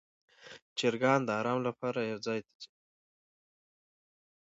چرګان د آرام لپاره یو ځای ته ځي.